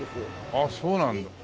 ああそうなんだ。